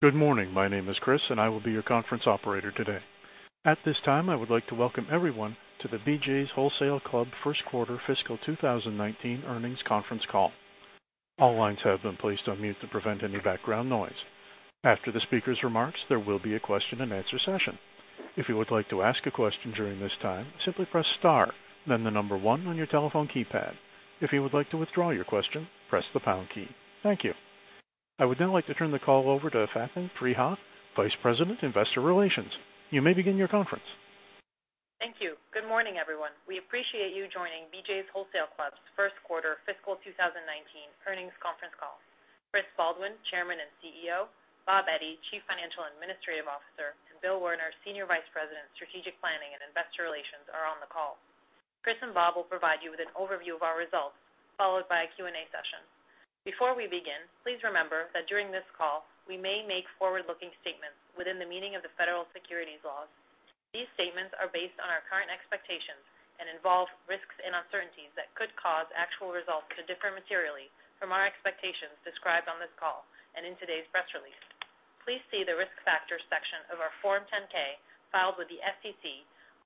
Good morning. My name is Chris, and I will be your conference operator today. At this time, I would like to welcome everyone to the BJ’s Wholesale Club first quarter fiscal 2019 earnings conference call. All lines have been placed on mute to prevent any background noise. After the speaker's remarks, there will be a question-and-answer session. If you would like to ask a question during this time, simply press star, then the number one on your telephone keypad. If you would like to withdraw your question, press the pound key. Thank you. I would now like to turn the call over to Faten Freiha, Vice President, Investor Relations. You may begin your conference. Thank you. Good morning, everyone. We appreciate you joining BJ’s Wholesale Club's first quarter fiscal 2019 earnings conference call. Christopher Baldwin, Chairman and CEO, Robert Eddy, Chief Financial and Administrative Officer, and Bill Werner, Senior Vice President, Strategic Planning and Investor Relations are on the call. Chris and Bob will provide you with an overview of our results, followed by a Q&A session. Before we begin, please remember that during this call, we may make forward-looking statements within the meaning of the federal securities laws. These statements are based on our current expectations and involve risks and uncertainties that could cause actual results to differ materially from our expectations described on this call and in today's press release. Please see the Risk Factors section of our Form 10-K filed with the SEC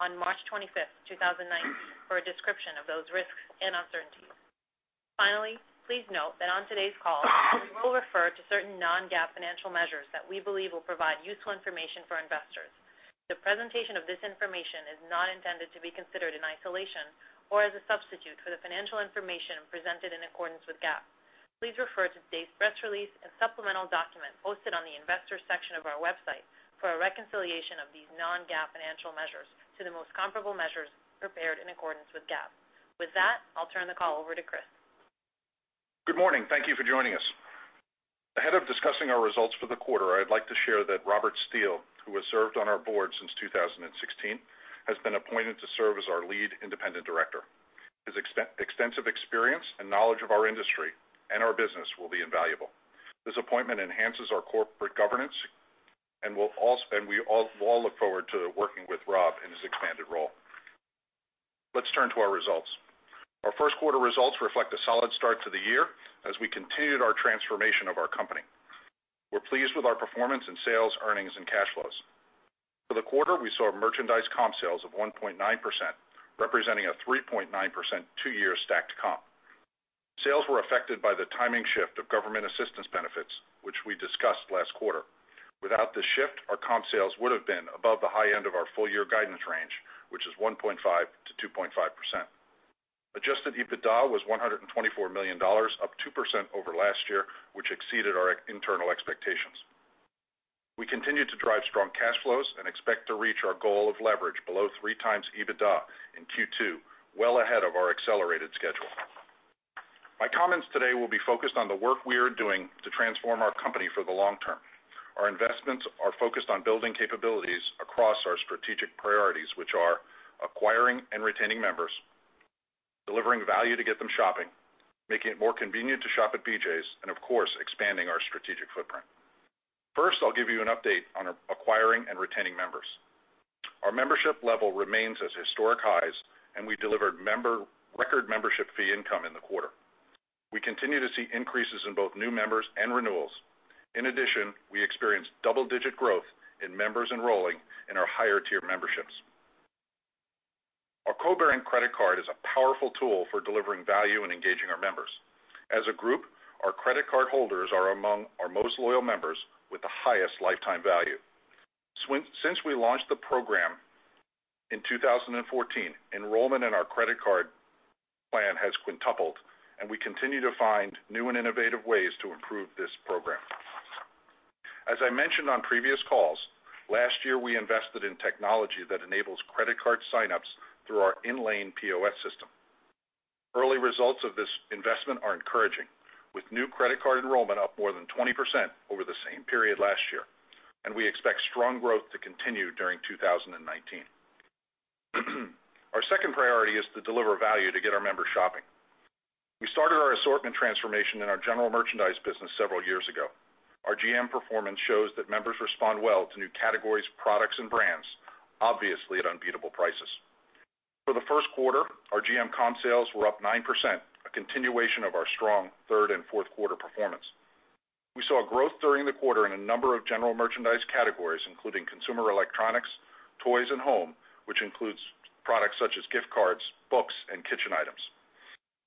on March 25th, 2019, for a description of those risks and uncertainties. Finally, please note that on today's call, we will refer to certain non-GAAP financial measures that we believe will provide useful information for investors. The presentation of this information is not intended to be considered in isolation or as a substitute for the financial information presented in accordance with GAAP. Please refer to today's press release and supplemental document posted on the investors section of our website for a reconciliation of these non-GAAP financial measures to the most comparable measures prepared in accordance with GAAP. With that, I'll turn the call over to Chris. Good morning. Thank you for joining us. Ahead of discussing our results for the quarter, I'd like to share that Robert Steele, who has served on our board since 2016, has been appointed to serve as our lead independent director. His extensive experience and knowledge of our industry and our business will be invaluable. This appointment enhances our corporate governance, and we all look forward to working with Rob in his expanded role. Let's turn to our results. Our first quarter results reflect a solid start to the year as we continued our transformation of our company. We're pleased with our performance in sales, earnings, and cash flows. For the quarter, we saw merchandise comp sales of 1.9%, representing a 3.9% two-year stacked comp. Sales were affected by the timing shift of government assistance benefits, which we discussed last quarter. Without the shift, our comp sales would've been above the high end of our full year guidance range, which is 1.5%-2.5%. Adjusted EBITDA was $124 million, up 2% over last year, which exceeded our internal expectations. We continued to drive strong cash flows and expect to reach our goal of leverage below three times EBITDA in Q2, well ahead of our accelerated schedule. My comments today will be focused on the work we are doing to transform our company for the long term. Our investments are focused on building capabilities across our strategic priorities, which are acquiring and retaining members, delivering value to get them shopping, making it more convenient to shop at BJ's, and of course, expanding our strategic footprint. First, I'll give you an update on acquiring and retaining members. Our membership level remains at historic highs. We delivered record membership fee income in the quarter. We continue to see increases in both new members and renewals. In addition, we experienced double-digit growth in members enrolling in our higher-tier memberships. Our co-brand credit card is a powerful tool for delivering value and engaging our members. As a group, our credit card holders are among our most loyal members with the highest lifetime value. Since we launched the program in 2014, enrollment in our credit card plan has quintupled. We continue to find new and innovative ways to improve this program. As I mentioned on previous calls, last year, we invested in technology that enables credit card sign-ups through our in-lane POS system. Early results of this investment are encouraging, with new credit card enrollment up more than 20% over the same period last year. We expect strong growth to continue during 2019. Our second priority is to deliver value to get our members shopping. We started our assortment transformation in our general merchandise business several years ago. Our GM performance shows that members respond well to new categories, products, and brands, obviously at unbeatable prices. For the first quarter, our GM comp sales were up 9%, a continuation of our strong third and fourth quarter performance. We saw a growth during the quarter in a number of general merchandise categories, including consumer electronics, toys, and home, which includes products such as gift cards, books, and kitchen items.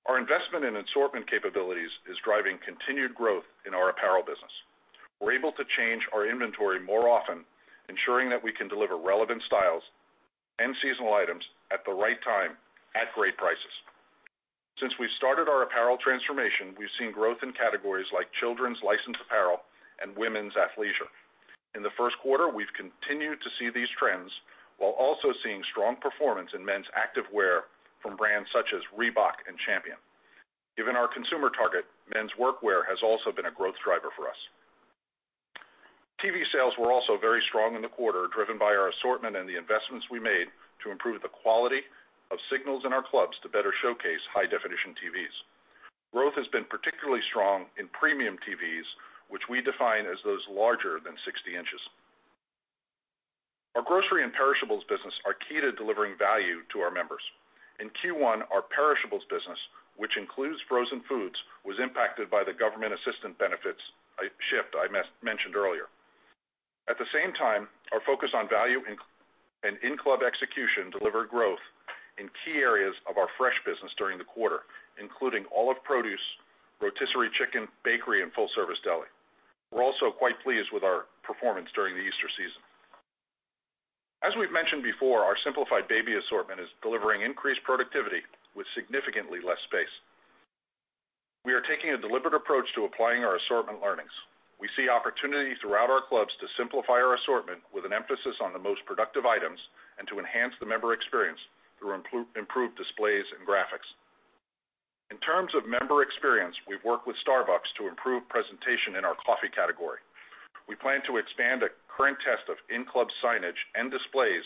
Our investment in assortment capabilities is driving continued growth in our apparel business. We're able to change our inventory more often, ensuring that we can deliver relevant styles and seasonal items at the right time at great prices. Since we've started our apparel transformation, we've seen growth in categories like children's licensed apparel and women's athleisure. In the first quarter, we've continued to see these trends while also seeing strong performance in men's activewear from brands such as Reebok and Champion. Given our consumer target, men's workwear has also been a growth driver for us. TV sales were also very strong in the quarter, driven by our assortment and the investments we made to improve the quality of signals in our clubs to better showcase high-definition TVs. Growth has been particularly strong in premium TVs, which we define as those larger than 60 inches. Our grocery and perishables business are key to delivering value to our members. In Q1, our perishables business, which includes frozen foods, was impacted by the government assistant benefits shift I mentioned earlier. At the same time, our focus on value and in-club execution delivered growth in key areas of our fresh business during the quarter, including all of produce, rotisserie chicken, bakery, and full-service deli. We are also quite pleased with our performance during the Easter season. As we have mentioned before, our simplified baby assortment is delivering increased productivity with significantly less space. We are taking a deliberate approach to applying our assortment learnings. We see opportunities throughout our clubs to simplify our assortment with an emphasis on the most productive items, and to enhance the member experience through improved displays and graphics. In terms of member experience, we have worked with Starbucks to improve presentation in our coffee category. We plan to expand a current test of in-club signage and displays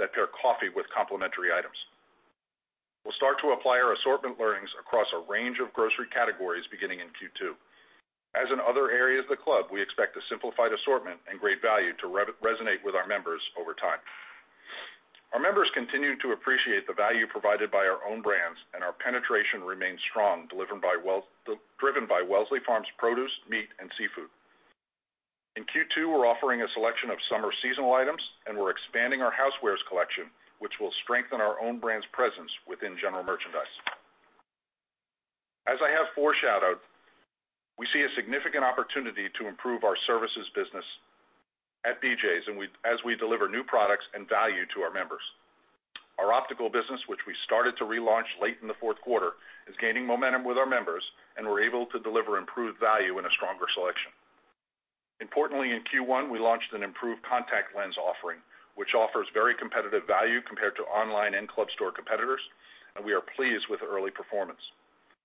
that pair coffee with complementary items. We will start to apply our assortment learnings across a range of grocery categories beginning in Q2. As in other areas of the club, we expect a simplified assortment and great value to resonate with our members over time. Our members continue to appreciate the value provided by our own brands, and our penetration remains strong, driven by Wellsley Farms produce, meat, and seafood. In Q2, we are offering a selection of summer seasonal items, and we are expanding our housewares collection, which will strengthen our own brand's presence within general merchandise. As I have foreshadowed, we see a significant opportunity to improve our services business at BJ's, as we deliver new products and value to our members. Our optical business, which we started to relaunch late in the fourth quarter, is gaining momentum with our members, and we are able to deliver improved value and a stronger selection. Importantly, in Q1, we launched an improved contact lens offering, which offers very competitive value compared to online and club store competitors, and we are pleased with early performance.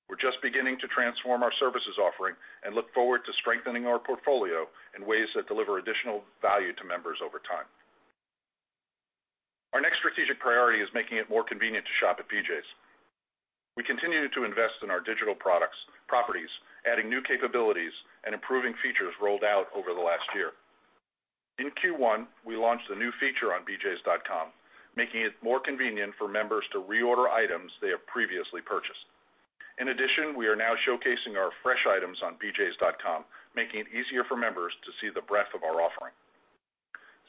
We are just beginning to transform our services offering and look forward to strengthening our portfolio in ways that deliver additional value to members over time. Our next strategic priority is making it more convenient to shop at BJ's. We continue to invest in our digital properties, adding new capabilities and improving features rolled out over the last year. In Q1, we launched a new feature on bjs.com, making it more convenient for members to reorder items they have previously purchased. We are now showcasing our fresh items on bjs.com, making it easier for members to see the breadth of our offering.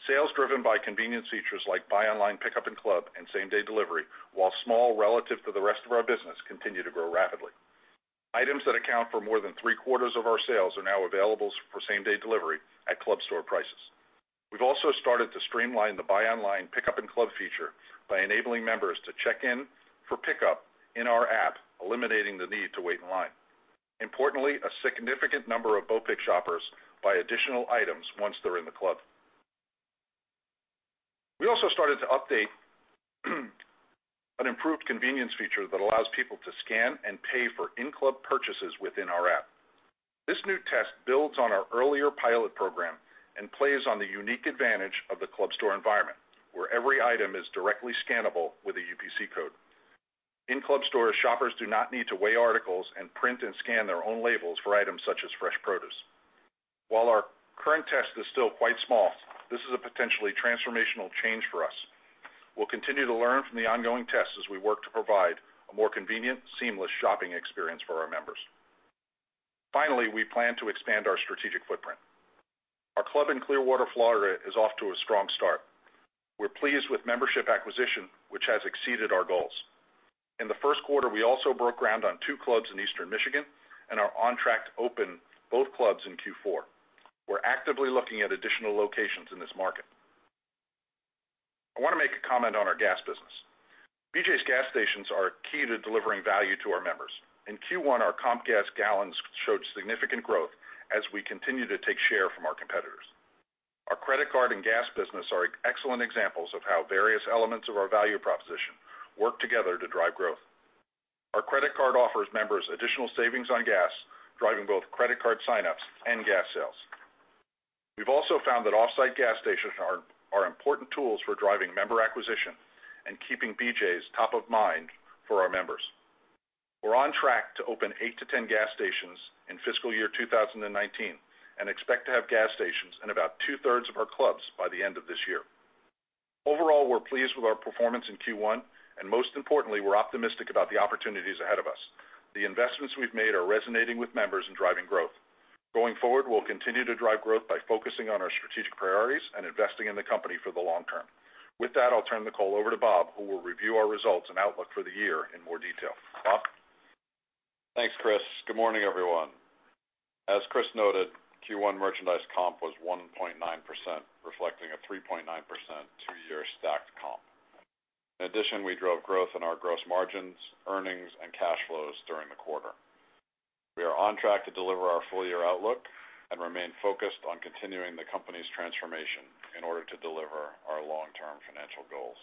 Sales driven by convenience features like buy online, pickup in club, and same-day delivery, while small relative to the rest of our business, continue to grow rapidly. Items that account for more than three-quarters of our sales are now available for same-day delivery at club store prices. We have also started to streamline the buy online, pickup in club feature by enabling members to check in for pickup in our app, eliminating the need to wait in line. Importantly, a significant number of BOPIC shoppers buy additional items once they are in the club. We also started to update an improved convenience feature that allows people to scan and pay for in-club purchases within our app. This new test builds on our earlier pilot program and plays on the unique advantage of the club store environment, where every item is directly scannable with a UPC code. In club stores, shoppers do not need to weigh articles and print and scan their own labels for items such as fresh produce. While our current test is still quite small, this is a potentially transformational change for us. We will continue to learn from the ongoing tests as we work to provide a more convenient, seamless shopping experience for our members. Finally, we plan to expand our strategic footprint. Our club in Clearwater, Florida, is off to a strong start. We are pleased with membership acquisition, which has exceeded our goals. In the first quarter, we also broke ground on two clubs in Eastern Michigan and are on track to open both clubs in Q4. We are actively looking at additional locations in this market. I want to make a comment on our gas business. BJ's gas stations are key to delivering value to our members. In Q1, our comp gas gallons showed significant growth as we continue to take share from our competitors. Our credit card and gas business are excellent examples of how various elements of our value proposition work together to drive growth. Our credit card offers members additional savings on gas, driving both credit card sign-ups and gas sales. We have also found that off-site gas stations are important tools for driving member acquisition and keeping BJ's top of mind for our members. We are on track to open 8 to 10 gas stations in fiscal year 2019 and expect to have gas stations in about two-thirds of our clubs by the end of this year. Overall, we are pleased with our performance in Q1, and most importantly, we are optimistic about the opportunities ahead of us. The investments we have made are resonating with members and driving growth. Going forward, we will continue to drive growth by focusing on our strategic priorities and investing in the company for the long term. With that, I will turn the call over to Bob, who will review our results and outlook for the year in more detail. Bob? Thanks, Chris. Good morning, everyone. As Chris noted, Q1 merchandise comp was 1.9%, reflecting a 3.9% two-year stacked comp. In addition, we drove growth in our gross margins, earnings, and cash flows during the quarter. We are on track to deliver our full-year outlook and remain focused on continuing the company's transformation in order to deliver our long-term financial goals.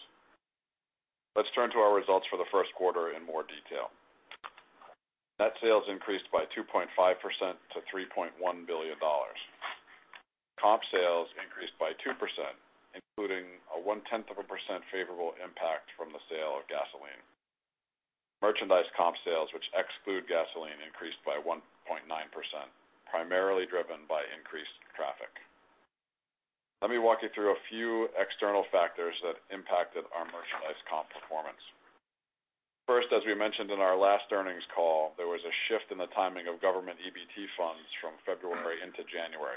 Let us turn to our results for the first quarter in more detail. Net sales increased by 2.5% to $3.1 billion. Comp sales increased by 2%, including a one-tenth of a percent favorable impact from the sale of gasoline. Merchandise comp sales, which exclude gasoline, increased by 1.9%, primarily driven by increased traffic. Let me walk you through a few external factors that impacted our merchandise comp performance. First, as we mentioned in our last earnings call, there was a shift in the timing of government EBT funds from February into January.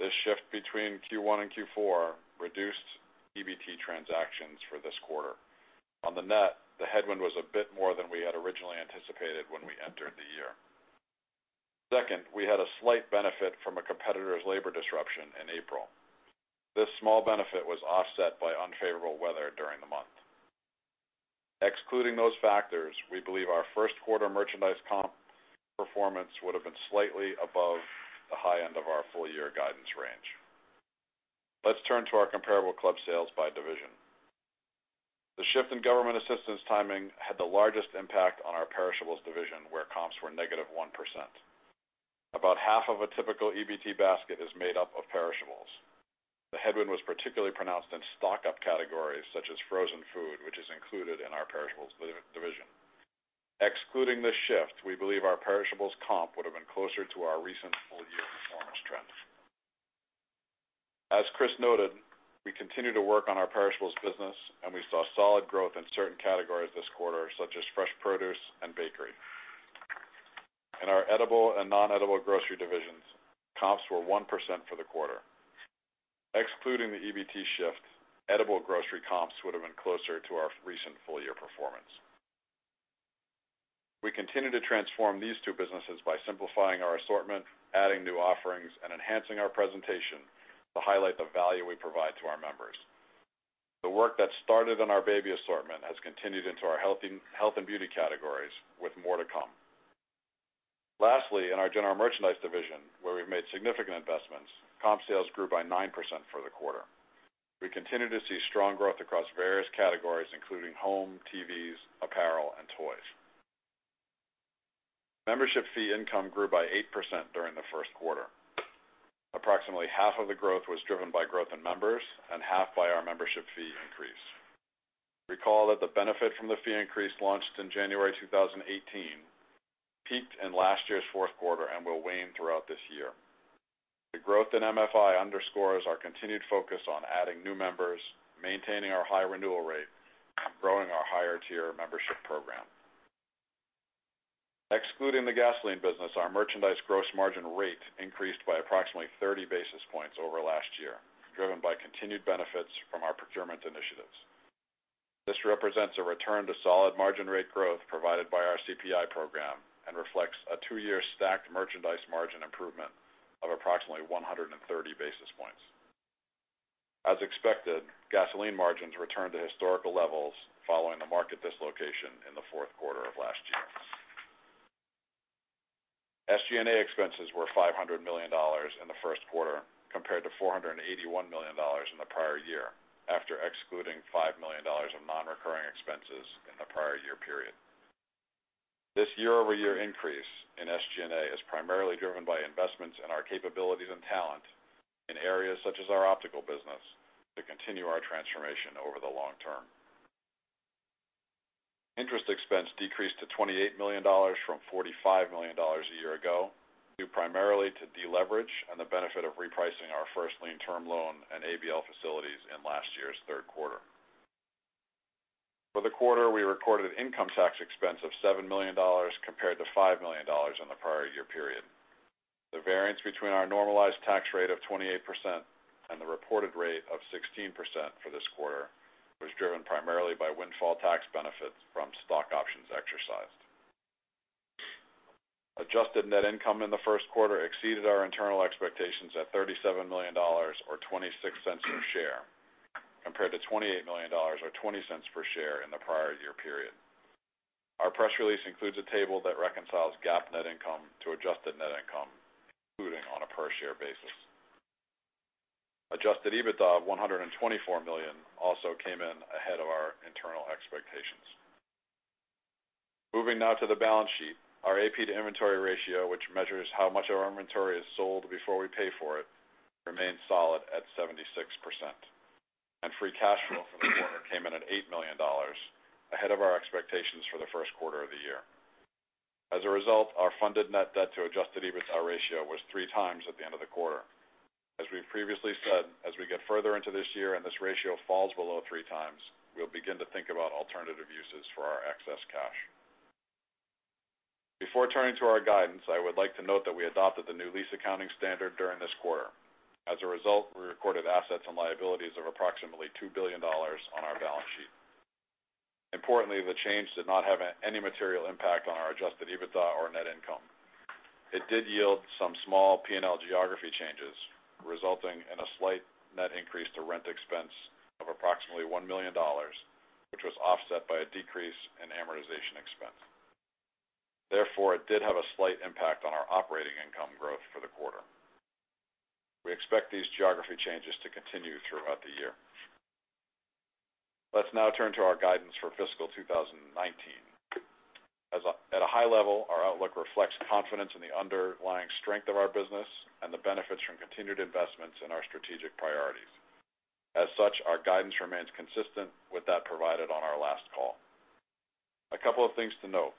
This shift between Q1 and Q4 reduced EBT transactions for this quarter. On the net, the headwind was a bit more than we had originally anticipated when we entered the year. Second, we had a slight benefit from a competitor's labor disruption in April. This small benefit was offset by unfavorable weather during the month. Excluding those factors, we believe our first quarter merchandise comp performance would've been slightly above the high end of our full year guidance range. Let's turn to our comparable club sales by division. The shift in government assistance timing had the largest impact on our perishables division, where comps were negative 1%. About half of a typical EBT basket is made up of perishables. The headwind was particularly pronounced in stock-up categories such as frozen food, which is included in our perishables division. Excluding this shift, we believe our perishables comp would've been closer to our recent full-year performance trends. As Chris noted, we continue to work on our perishables business, and we saw solid growth in certain categories this quarter, such as fresh produce and bakery. In our edible and non-edible grocery divisions, comps were 1% for the quarter. Excluding the EBT shift, edible grocery comps would've been closer to our recent full-year performance. We continue to transform these two businesses by simplifying our assortment, adding new offerings, and enhancing our presentation to highlight the value we provide to our members. The work that started in our baby assortment has continued into our health and beauty categories, with more to come. Lastly, in our general merchandise division, where we've made significant investments, comp sales grew by 9% for the quarter. We continue to see strong growth across various categories, including home, TVs, apparel, and toys. Membership fee income grew by 8% during the first quarter. Approximately half of the growth was driven by growth in members and half by our membership fee increase. Recall that the benefit from the fee increase launched in January 2018 peaked in last year's fourth quarter and will wane throughout this year. The growth in MFI underscores our continued focus on adding new members, maintaining our high renewal rate, and growing our higher-tier membership program. Excluding the gasoline business, our merchandise gross margin rate increased by approximately 30 basis points over last year, driven by continued benefits from our procurement initiatives. This represents a return to solid margin rate growth provided by our CPI program and reflects a two-year stacked merchandise margin improvement of approximately 130 basis points. As expected, gasoline margins returned to historical levels following the market dislocation in the fourth quarter of last year. SG&A expenses were $500 million in the first quarter, compared to $481 million in the prior year, after excluding $5 million of non-recurring expenses in the prior year period. This year-over-year increase in SG&A is primarily driven by investments in our capabilities and talent in areas such as our optical business to continue our transformation over the long term. Interest expense decreased to $28 million from $45 million a year ago, due primarily to deleverage and the benefit of repricing our first lien term loan and ABL facilities in last year's third quarter. For the quarter, we recorded an income tax expense of $7 million, compared to $5 million in the prior year period. The variance between our normalized tax rate of 28% and the reported rate of 16% for this quarter was driven primarily by windfall tax benefits from stock options exercised. Adjusted net income in the first quarter exceeded our internal expectations at $37 million or $0.26 per share, compared to $28 million or $0.20 per share in the prior year period. Our press release includes a table that reconciles GAAP net income to adjusted net income, including on a per-share basis. Adjusted EBITDA of $124 million also came in ahead of our internal expectations. Moving now to the balance sheet. Our AP to inventory ratio, which measures how much of our inventory is sold before we pay for it, remains solid at 76%. Free cash flow for the quarter came in at $8 million, ahead of our expectations for the first quarter of the year. As a result, our funded net debt to adjusted EBITDA ratio was three times at the end of the quarter. As we've previously said, as we get further into this year and this ratio falls below three times, we'll begin to think about alternative uses for our excess cash. Before turning to our guidance, I would like to note that we adopted the new lease accounting standard during this quarter. As a result, we recorded assets and liabilities of approximately $2 billion on our balance sheet. Importantly, the change did not have any material impact on our adjusted EBITDA or net income. It did yield some small P&L geography changes, resulting in a slight net increase to rent expense of approximately $1 million, which was offset by a decrease in amortization expense. Therefore, it did have a slight impact on our operating income growth for the quarter. We expect these geography changes to continue throughout the year. Let's now turn to our guidance for fiscal 2019. At a high level, our outlook reflects confidence in the underlying strength of our business and the benefits from continued investments in our strategic priorities. As such, our guidance remains consistent with that provided on our last call. A couple of things to note.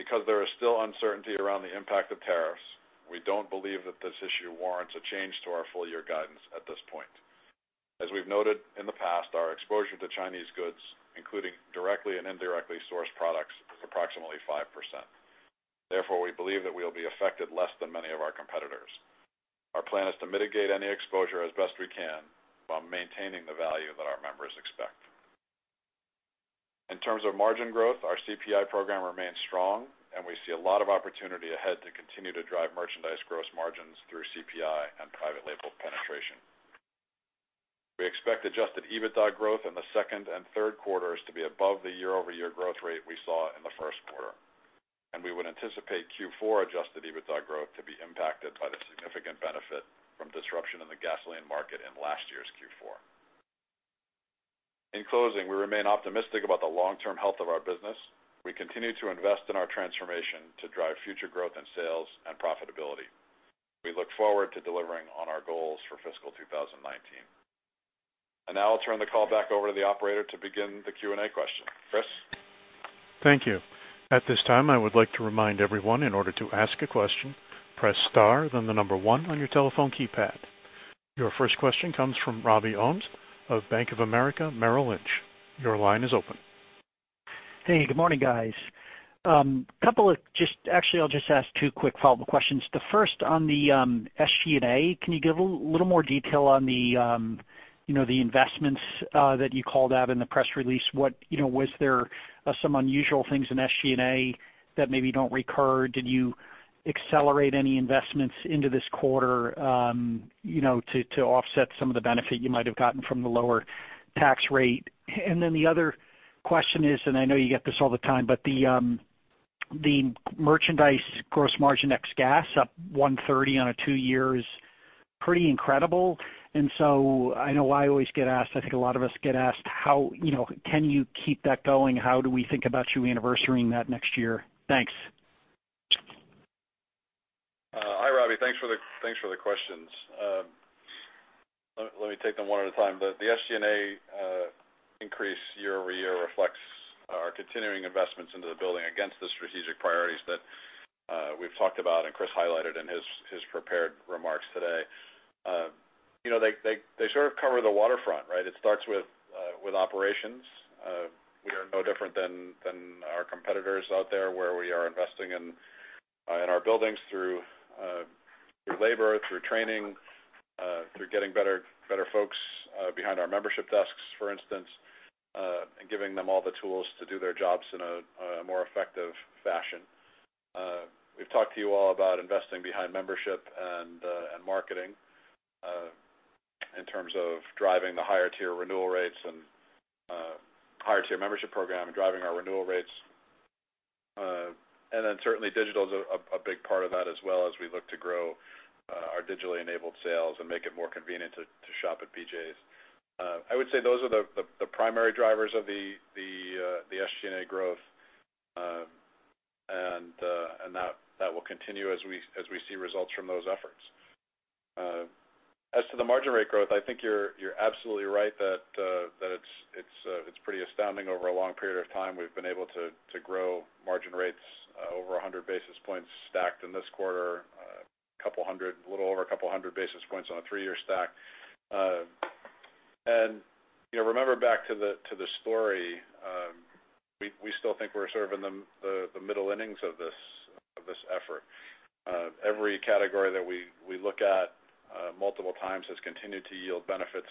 Because there is still uncertainty around the impact of tariffs, we don't believe that this issue warrants a change to our full-year guidance at this point. As we've noted in the past, our exposure to Chinese goods, including directly and indirectly sourced products, is approximately 5%. Therefore, we believe that we'll be affected less than many of our competitors. Our plan is to mitigate any exposure as best we can while maintaining the value that our members expect. In terms of margin growth, our CPI program remains strong. We see a lot of opportunity ahead to continue to drive merchandise gross margins through CPI and private label penetration. We expect adjusted EBITDA growth in the second and third quarters to be above the year-over-year growth rate we saw in the first quarter. We would anticipate Q4 adjusted EBITDA growth to be impacted by the significant benefit from disruption in the gasoline market in last year's Q4. In closing, we remain optimistic about the long-term health of our business. We continue to invest in our transformation to drive future growth in sales and profitability. We look forward to delivering on our goals for fiscal 2019. Now I'll turn the call back over to the operator to begin the Q&A question. Chris? Thank you. At this time, I would like to remind everyone, in order to ask a question, press star, then the number one on your telephone keypad. Your first question comes from Robert Ohmes of Bank of America Merrill Lynch. Your line is open. Hey, good morning, guys. Actually, I'll just ask two quick follow-up questions. The first on the SG&A. Can you give a little more detail on the investments that you called out in the press release? Was there some unusual things in SG&A that maybe don't recur? Did you accelerate any investments into this quarter to offset some of the benefit you might have gotten from the lower tax rate? The other question is, and I know you get this all the time, but the merchandise gross margin ex gas up 130 on a two year is pretty incredible. I know I always get asked, I think a lot of us get asked: Can you keep that going? How do we think about you anniversarying that next year? Thanks. Hi, Robbie. Thanks for the questions. Let me take them one at a time. The SG&A increase year-over-year reflects our continuing investments into the building against the strategic priorities that we've talked about and Chris highlighted in his prepared remarks today. They sort of cover the waterfront, right? It starts with operations. We are no different than our competitors out there, where we are investing in our buildings through labor, through training, through getting better folks behind our membership desks, for instance, and giving them all the tools to do their jobs in a more effective fashion. We've talked to you all about investing behind membership and marketing in terms of driving the higher tier renewal rates and higher tier membership program and driving our renewal rates. Certainly digital's a big part of that as well as we look to grow our digitally enabled sales and make it more convenient to shop at BJ's. I would say those are the primary drivers of the SG&A growth, and that will continue as we see results from those efforts. As to the margin rate growth, I think you're absolutely right that it's pretty astounding over a long period of time, we've been able to grow margin rates over 100 basis points stacked in this quarter, a little over a couple hundred basis points on a three-year stack. Remember back to the story, we still think we're sort of in the middle innings of this effort. Every category that we look at multiple times has continued to yield benefits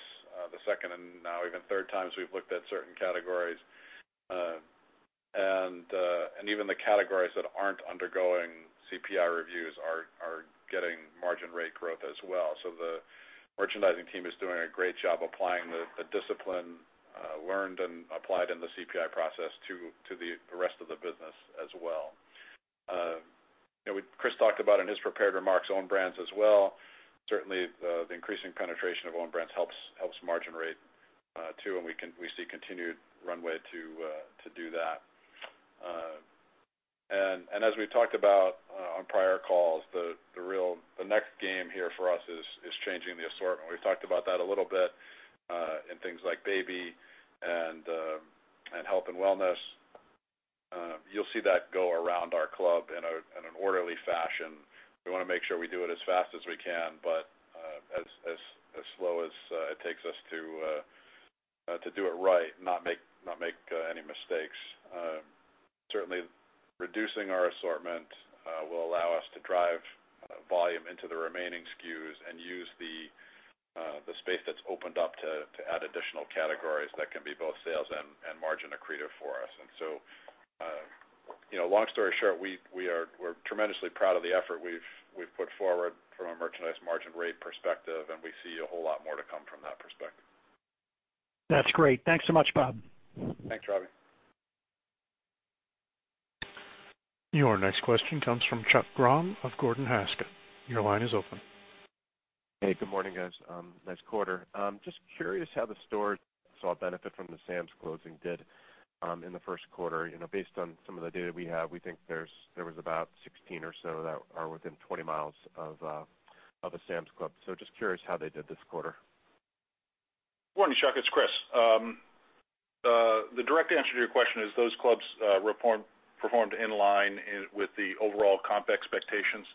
the second and now even third times we've looked at certain categories. Even the categories that aren't undergoing CPI reviews are getting margin rate growth as well. The merchandising team is doing a great job applying the discipline learned and applied in the CPI process to the rest of the business as well. Chris talked about in his prepared remarks own brands as well. Certainly, the increasing penetration of own brands helps margin rate too, we see continued runway to do that. As we've talked about on prior calls, the next game here for us is changing the assortment. We've talked about that a little bit in things like baby and health and wellness. You'll see that go around our club in an orderly fashion. We want to make sure we do it as fast as we can, but as slow as it takes us to do it right and not make any mistakes. Certainly, reducing our assortment will allow us to drive volume into the remaining SKUs and use the space that's opened up to add additional categories that can be both sales and margin accretive for us. Long story short, we're tremendously proud of the effort we've put forward from a merchandise margin rate perspective, we see a whole lot more to come from that perspective. That's great. Thanks so much, Bob. Thanks, Robbie. Your next question comes from Chuck Grom of Gordon Haskett. Your line is open. Hey, good morning, guys. Nice quarter. Just curious how the stores saw benefit from the Sam's closing did in the first quarter. Based on some of the data we have, we think there was about 16 or so that are within 20 miles of a Sam's Club. Just curious how they did this quarter. Good morning, Chuck. It's Chris. The direct answer to your question is those clubs performed in line with the overall comp expectations.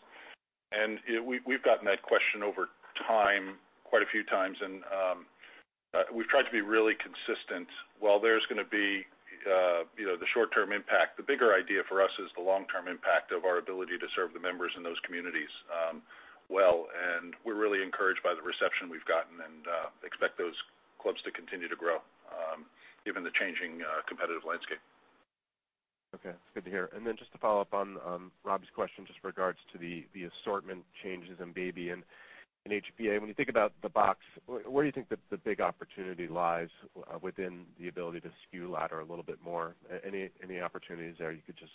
We've gotten that question over time quite a few times, and we've tried to be really consistent. While there's going to be the short-term impact, the bigger idea for us is the long-term impact of our ability to serve the members in those communities well. We're really encouraged by the reception we've gotten and expect those clubs to continue to grow given the changing competitive landscape. Okay. Good to hear. Just to follow up on Rob's question, just regards to the assortment changes in Baby and in HBA. When you think about the box, where do you think that the big opportunity lies within the ability to SKU ladder a little bit more? Any opportunities there you could just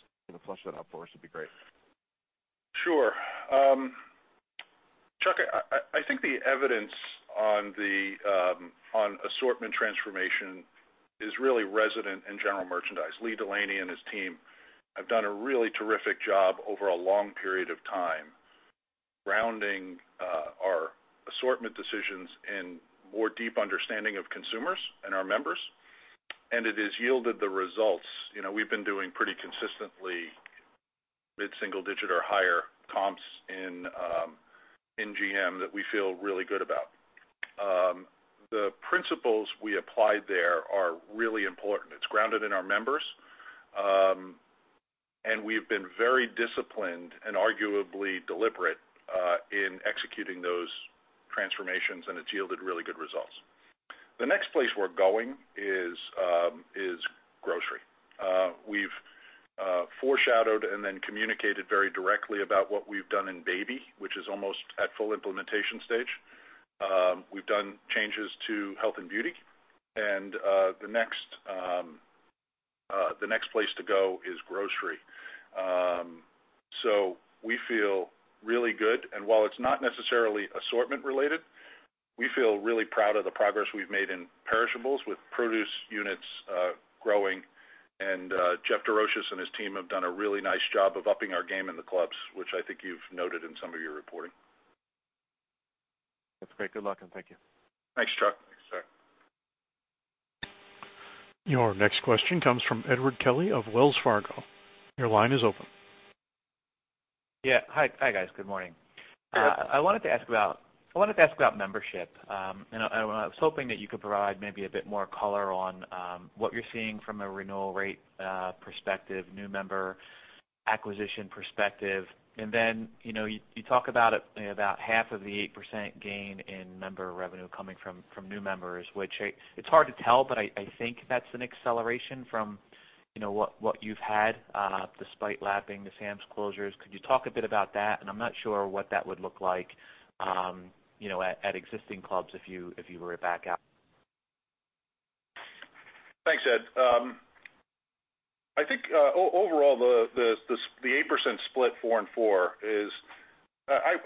flesh that out for us would be great. Sure, Chuck. I think the evidence on assortment transformation is really resident in general merchandise. Lee Delaney and his team have done a really terrific job over a long period of time grounding our assortment decisions in more deep understanding of consumers and our members, and it has yielded the results. We've been doing pretty consistently mid-single digit or higher comps in GM that we feel really good about. The principles we applied there are really important. It's grounded in our members, and we've been very disciplined and arguably deliberate in executing those transformations, and it's yielded really good results. The next place we're going is Grocery. We've foreshadowed and then communicated very directly about what we've done in Baby, which is almost at full implementation stage. We've done changes to Health and Beauty, and the next place to go is Grocery. We feel really good, and while it's not necessarily assortment related, we feel really proud of the progress we've made in perishables with produce units growing. Jeff Desroches and his team have done a really nice job of upping our game in the clubs, which I think you've noted in some of your reporting. That's great. Good luck, and thank you. Thanks, Chuck. Your next question comes from Edward Kelly of Wells Fargo. Your line is open. Yeah. Hi, guys. Good morning. Hi, Edward. I wanted to ask about membership. I was hoping that you could provide maybe a bit more color on what you're seeing from a renewal rate perspective, new member acquisition perspective. You talk about half of the 8% gain in member revenue coming from new members, which it's hard to tell, but I think that's an acceleration from what you've had despite lapping the Sam's closures. Could you talk a bit about that? I'm not sure what that would look like at existing clubs if you were to back out. Thanks, Ed. I think, overall, the 8% split, four and four.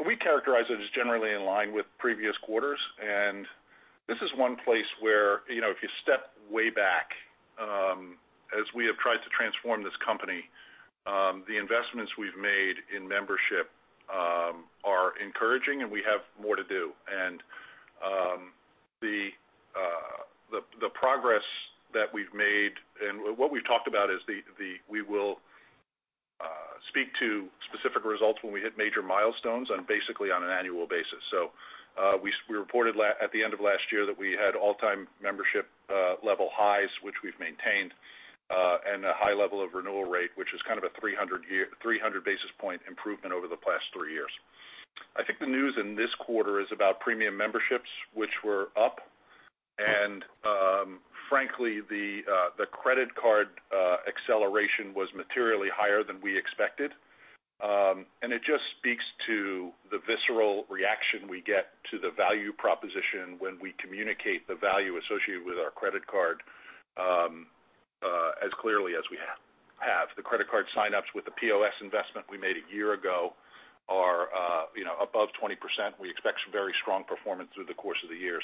We characterize it as generally in line with previous quarters. This is one place where, if you step way back, as we have tried to transform this company, the investments we've made in membership are encouraging, and we have more to do. The progress that we've made and what we've talked about is we will speak to specific results when we hit major milestones and basically on an annual basis. We reported at the end of last year that we had all-time membership level highs, which we've maintained, and a high level of renewal rate, which is kind of a 300 basis point improvement over the past three years. Frankly, the news in this quarter is about premium memberships, which were up. The credit card acceleration was materially higher than we expected. It just speaks to the visceral reaction we get to the value proposition when we communicate the value associated with our credit card as clearly as we have. The credit card sign-ups with the POS investment we made a year ago are above 20%. We expect some very strong performance through the course of the year.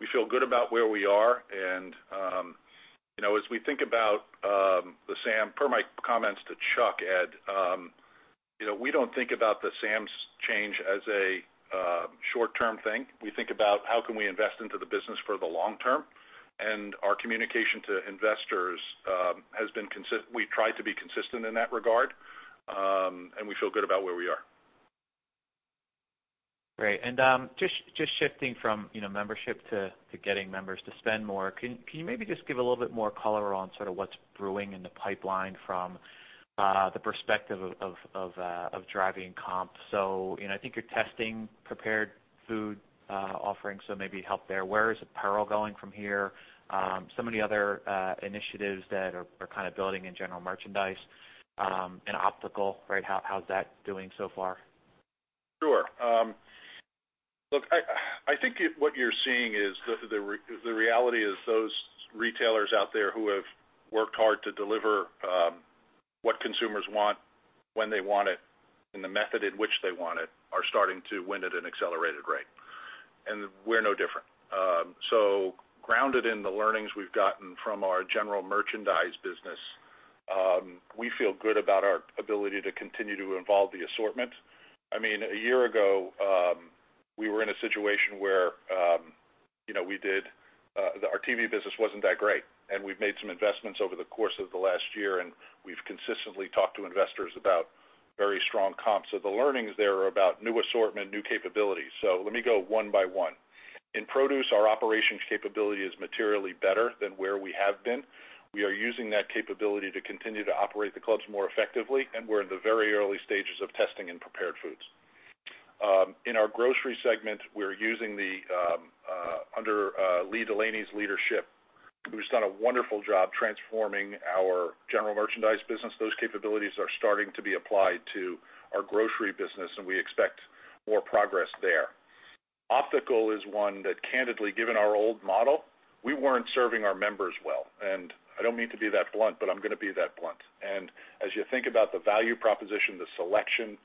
We feel good about where we are. As we think about the Sam, per my comments to Chuck, Ed, we don't think about the Sam's change as a short-term thing. We think about how can we invest into the business for the long term, our communication to investors, we try to be consistent in that regard, and we feel good about where we are. Great. Just shifting from membership to getting members to spend more, can you maybe just give a little bit more color on sort of what's brewing in the pipeline from the perspective of driving comp? I think you're testing prepared food offerings. Maybe help there. Where is apparel going from here? Some of the other initiatives that are kind of building in general merchandise, and optical, how's that doing so far? Sure. Look, I think what you're seeing is the reality is those retailers out there who have worked hard to deliver what consumers want, when they want it, and the method in which they want it are starting to win at an accelerated rate. We're no different. Grounded in the learnings we've gotten from our general merchandise business, we feel good about our ability to continue to evolve the assortment. A year ago, we were in a situation where our TV business wasn't that great. We've made some investments over the course of the last year. We've consistently talked to investors about very strong comps. The learnings there are about new assortment, new capabilities. Let me go one by one. In produce, our operations capability is materially better than where we have been. We are using that capability to continue to operate the clubs more effectively, we're in the very early stages of testing in prepared foods. In our grocery segment, under Lee Delaney's leadership, who's done a wonderful job transforming our general merchandise business, those capabilities are starting to be applied to our grocery business, we expect more progress there. Optical is one that candidly, given our old model, we weren't serving our members well. I don't mean to be that blunt, I'm going to be that blunt. As you think about the value proposition, the selection,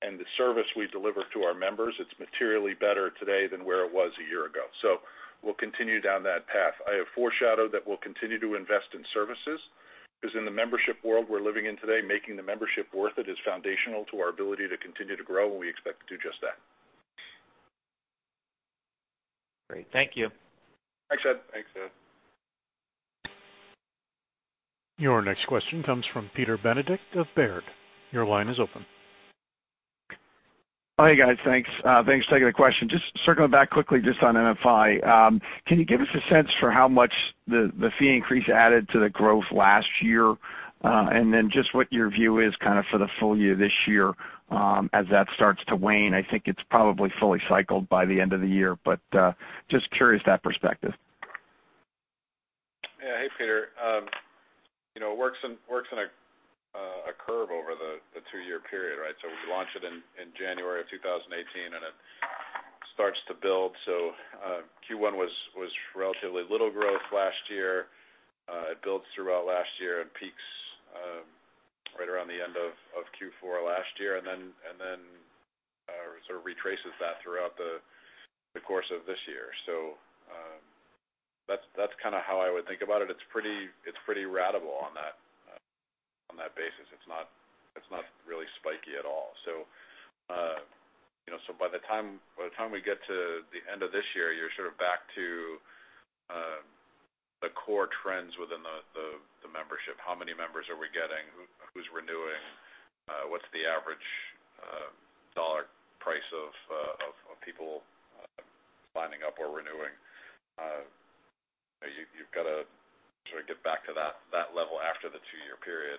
and the service we deliver to our members, it's materially better today than where it was a year ago. We'll continue down that path. I have foreshadowed that we'll continue to invest in services, because in the membership world we're living in today, making the membership worth it is foundational to our ability to continue to grow, we expect to do just that. Great. Thank you. Thanks, Ed. Thanks, Ed. Your next question comes from Peter Benedict of Baird. Your line is open. Hey, guys. Thanks. Thanks for taking the question. Just circling back quickly just on NFI. Can you give us a sense for how much the fee increase added to the growth last year? Just what your view is for the full year this year, as that starts to wane. I think it's probably fully cycled by the end of the year, just curious that perspective. Yeah. Hey, Peter. It works in a curve over the two-year period, right? We launch it in January of 2018, it starts to build. Q1 was relatively little growth last year. It builds throughout last year and peaks right around the end of Q4 last year, sort of retraces that throughout the course of this year. That's how I would think about it. It's pretty ratable on that basis. It's not really spiky at all. By the time we get to the end of this year, you're sort of back to the core trends within the membership. How many members are we getting? Who's renewing? What's the average dollar price of people signing up or renewing? You've got to sort of get back to that level after the two-year period.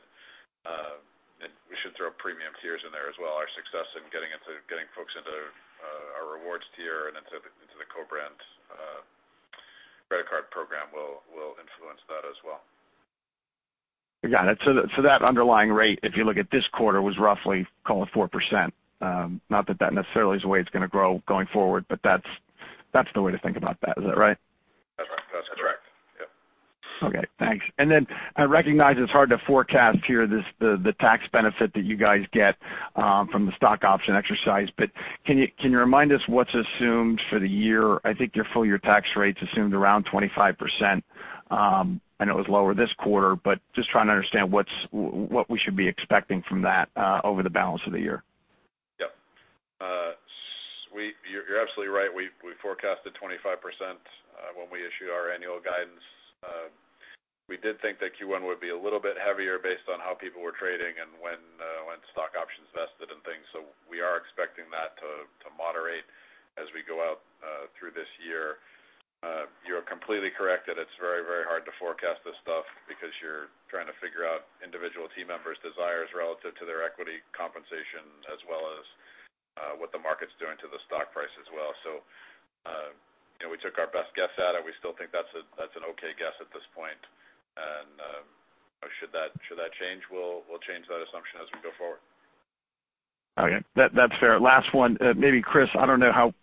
We should throw premium tiers in there as well. Our success in getting folks into our rewards tier and into the co-brand credit card program will influence that as well. Got it. That underlying rate, if you look at this quarter, was roughly, call it 4%. Not that that necessarily is the way it's going to grow going forward, that's the way to think about that. Is that right? That's correct. Yep. Okay, thanks. Then I recognize it's hard to forecast here the tax benefit that you guys get from the stock option exercise, can you remind us what's assumed for the year? I think your full-year tax rate's assumed around 25%, it was lower this quarter, just trying to understand what we should be expecting from that over the balance of the year. Yep. You're absolutely right. We forecasted 25% when we issued our annual guidance. We did think that Q1 would be a little bit heavier based on how people were trading and when stock options vested and things. We are expecting that to moderate as we go out through this year. You're completely correct that it's very hard to forecast this stuff because you're trying to figure out individual team members' desires relative to their equity compensation, as well as what the market's doing to the stock price as well. We took our best guess at it. We still think that's an okay guess at this point. Should that change, we'll change that assumption as we go forward. Okay. That's fair. Last one. Maybe Chris, I don't know how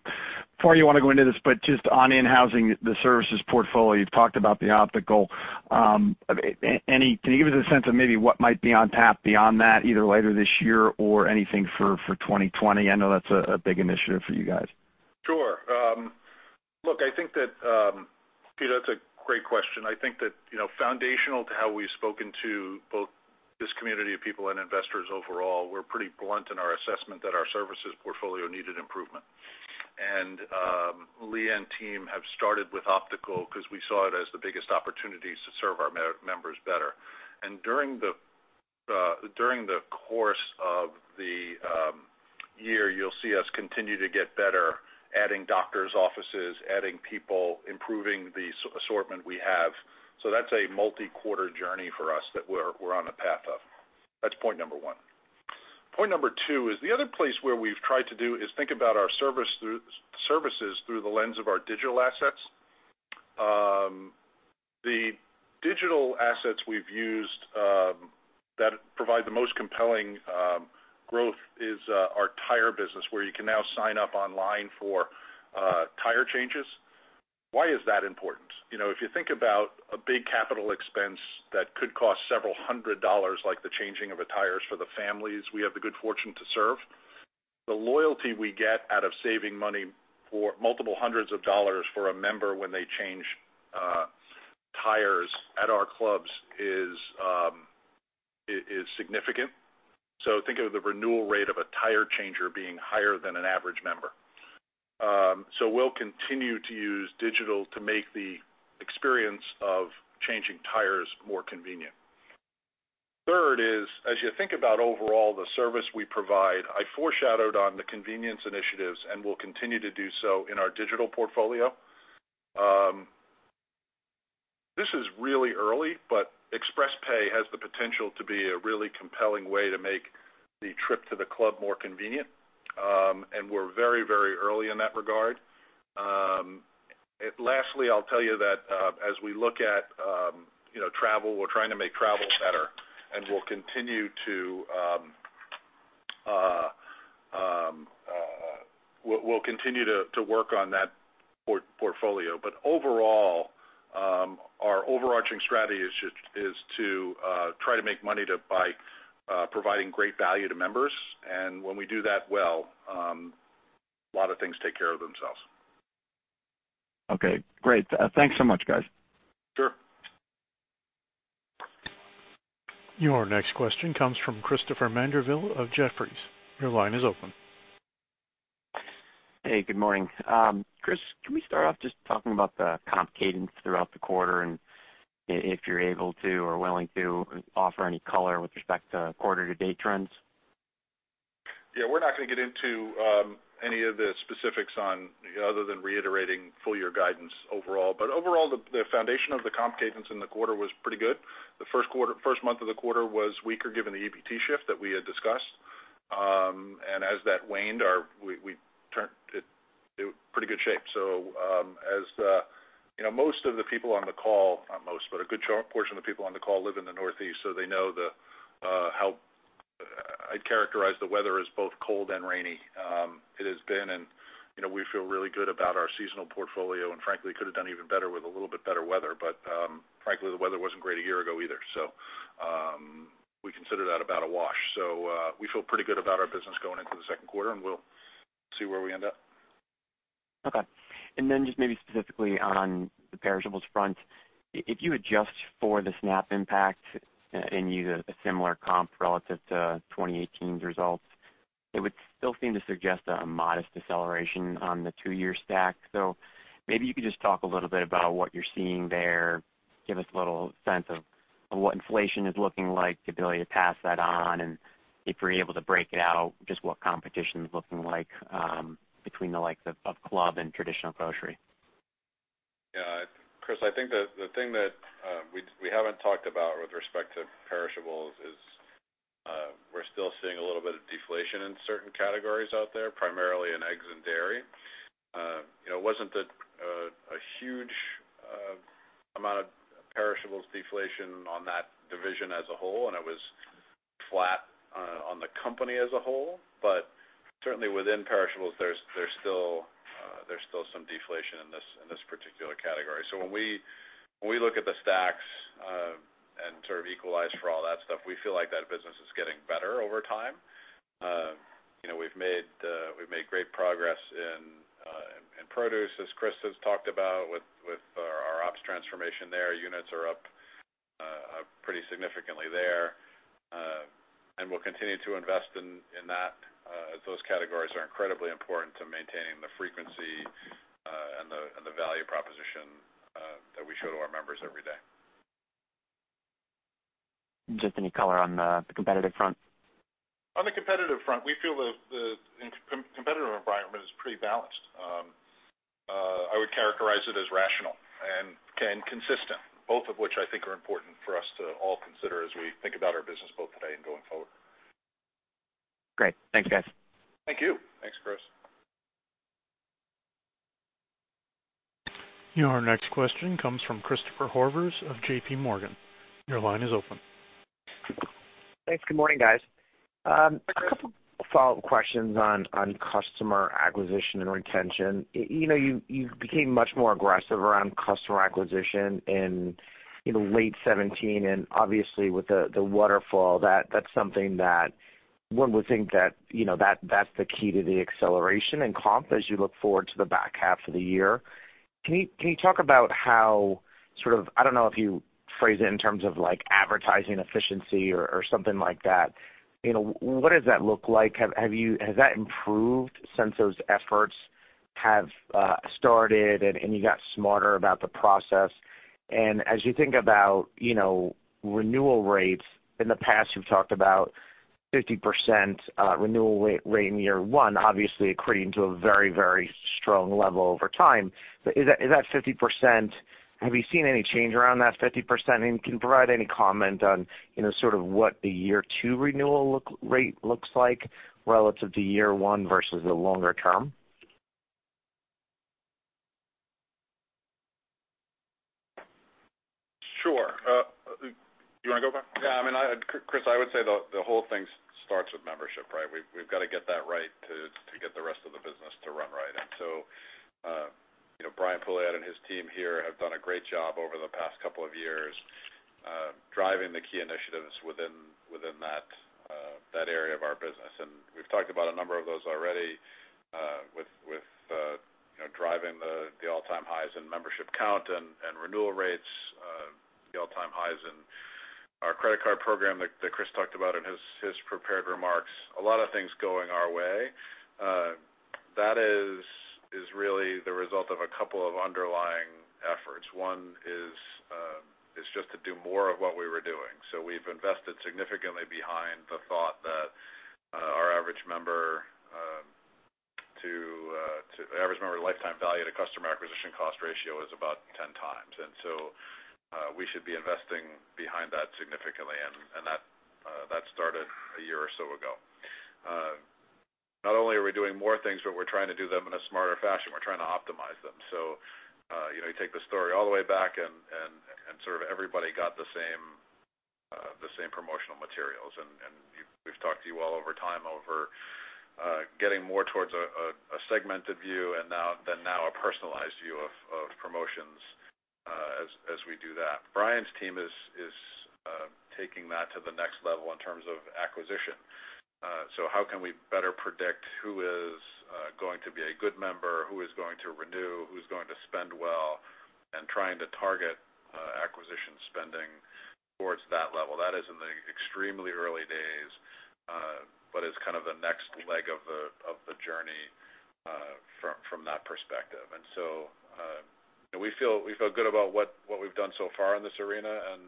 far you want to go into this, but just on in-housing the services portfolio, you've talked about the optical. Can you give us a sense of maybe what might be on tap beyond that, either later this year or anything for 2020? I know that's a big initiative for you guys. Sure. Peter, that's a great question. I think that foundational to how we've spoken to both this community of people and investors overall, we're pretty blunt in our assessment that our services portfolio needed improvement. Lee and team have started with optical because we saw it as the biggest opportunities to serve our members better. During the course of the year, you'll see us continue to get better, adding doctor's offices, adding people, improving the assortment we have. That's a multi-quarter journey for us that we're on a path of. That's point number one. Point number two is the other place where we've tried to do is think about our services through the lens of our digital assets. The digital assets we've used that provide the most compelling growth is our tire business, where you can now sign up online for tire changes. Why is that important? If you think about a big capital expense that could cost several hundred dollars, like the changing of tires for the families we have the good fortune to serve, the loyalty we get out of saving money for multiple hundreds of dollars for a member when they change tires at our clubs is significant. Think of the renewal rate of a tire changer being higher than an average member. We'll continue to use digital to make the experience of changing tires more convenient. Third is, as you think about overall the service we provide, I foreshadowed on the convenience initiatives, and we'll continue to do so in our digital portfolio. This is really early, but ExpressPay has the potential to be a really compelling way to make the trip to the club more convenient. We're very early in that regard. Lastly, I'll tell you that as we look at travel, we're trying to make travel better, and we'll continue to work on that portfolio. Overall, our overarching strategy is to try to make money by providing great value to members. When we do that well, a lot of things take care of themselves. Okay, great. Thanks so much, guys. Sure. Your next question comes from Christopher Mandeville of Jefferies. Your line is open. Hey, good morning. Chris, can we start off just talking about the comp cadence throughout the quarter, and if you're able to or willing to offer any color with respect to quarter-to-date trends? We're not going to get into any of the specifics on, other than reiterating full-year guidance overall. Overall, the foundation of the comp cadence in the quarter was pretty good. The first month of the quarter was weaker given the EBT shift that we had discussed. As that waned, we turned it pretty good shape. Most of the people on the call, not most, but a good portion of the people on the call live in the Northeast, so they know how I'd characterize the weather as both cold and rainy. It has been, and we feel really good about our seasonal portfolio, and frankly, could have done even better with a little bit better weather. Frankly, the weather wasn't great a year ago either. We consider that about a wash. We feel pretty good about our business going into the second quarter, and we'll see where we end up. Okay. Just maybe specifically on the perishables front, if you adjust for the SNAP impact and use a similar comp relative to 2018's results, it would still seem to suggest a modest deceleration on the two-year stack. Maybe you could just talk a little bit about what you're seeing there, give us a little sense of what inflation is looking like, the ability to pass that on, and if we're able to break it out, just what competition's looking like between the likes of club and traditional grocery. Chris, I think the thing that we haven't talked about with respect to perishables is we're still seeing a little bit of deflation in certain categories out there, primarily in eggs and dairy. It wasn't a huge amount of perishables deflation on that division as a whole, and it was flat on the company as a whole. Certainly within perishables, there's still some deflation in this particular category. When we look at the stacks and sort of equalize for all that stuff, we feel like that business is getting better over time. We've made great progress in produce, as Chris has talked about, with our ops transformation there. Units are up pretty significantly there. We'll continue to invest in that, as those categories are incredibly important to maintaining the frequency and the value proposition that we show to our members every day. Just any color on the competitive front. On the competitive front, we feel the competitive environment is pretty balanced. I would characterize it as rational and consistent, both of which I think are important for us to all consider as we think about our business both today and going forward. Great. Thanks, guys. Thank you. Thanks, Chris. Your next question comes from Christopher Horvers of J.P. Morgan. Your line is open. Thanks. Good morning, guys. A couple follow-up questions on customer acquisition and retention. You became much more aggressive around customer acquisition in late 2017. Obviously with the Waterfall, that's something that one would think that's the key to the acceleration in comp as you look forward to the back half of the year. Can you talk about how sort of, I don't know if you phrase it in terms of advertising efficiency or something like that, what does that look like? Has that improved since those efforts have started, and you got smarter about the process? As you think about renewal rates, in the past, you've talked about 50% renewal rate in year 1, obviously accreting to a very strong level over time. But is that 50%, have you seen any change around that 50%? Can you provide any comment on sort of what the year 2 renewal rate looks like relative to year 1 versus the longer term? Sure. You want to go, Bob? Chris, I would say the whole thing starts with membership, right? We've got to get that right to get the rest of the business to run right. Brian Pouliot and his team here have done a great job over the past couple of years driving the key initiatives within that area of our business. We've talked about a number of those already with driving the all-time highs in membership count and renewal rates, the all-time highs in our credit card program that Chris talked about in his prepared remarks. A lot of things going our way. That is really the result of a couple of underlying efforts. One is just to do more of what we were doing. We've invested significantly behind the thought that our average member lifetime value to customer acquisition cost ratio is about 10 times. We should be investing behind that significantly, and that started a year or so ago. Not only are we doing more things, but we're trying to do them in a smarter fashion. We're trying to optimize them. You take the story all the way back and sort of everybody got the same promotional materials. We've talked to you all over time over getting more towards a segmented view than now a personalized view of promotions as we do that. Brian's team is taking that to the next level in terms of acquisition. How can we better predict who is going to be a good member, who is going to renew, who's going to spend well, and trying to target acquisition spending towards that level. That is in the extremely early days, but it's kind of the next leg of the journey from that perspective. We feel good about what we've done so far in this arena and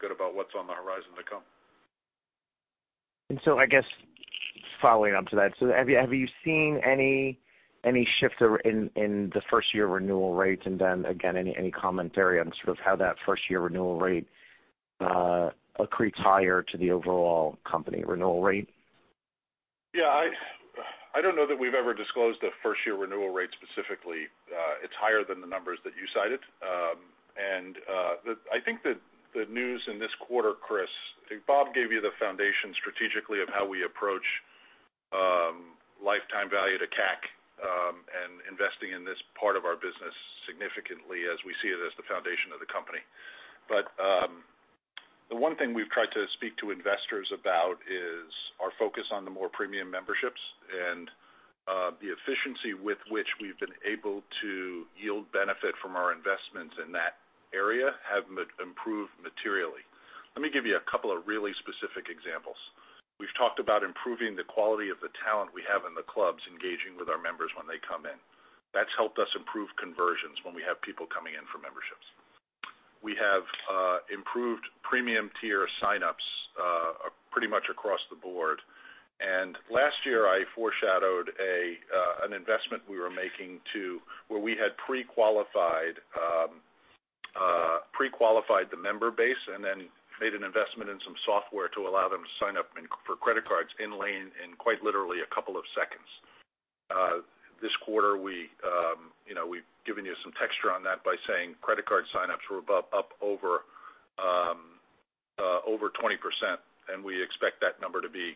good about what's on the horizon to come. I guess following up to that, have you seen any shift in the first-year renewal rate? Any commentary on sort of how that first-year renewal rate accretes higher to the overall company renewal rate? Yeah. I don't know that we've ever disclosed a first-year renewal rate specifically. It's higher than the numbers that you cited. I think the news in this quarter, Chris, I think Bob gave you the foundation strategically of how we approach lifetime value to CAC and investing in this part of our business significantly as we see it as the foundation of the company. The one thing we've tried to speak to investors about is our focus on the more premium memberships and the efficiency with which we've been able to yield benefit from our investments in that area have improved materially. Let me give you a couple of really specific examples. We've talked about improving the quality of the talent we have in the clubs, engaging with our members when they come in. That's helped us improve conversions when we have people coming in for memberships. We have improved premium tier signups pretty much across the board. Last year, I foreshadowed an investment we were making to where we had pre-qualified the member base and then made an investment in some software to allow them to sign up for credit cards in lane in quite literally a couple of seconds. This quarter, we've given you some texture on that by saying credit card signups were up over 20%, and we expect that number to be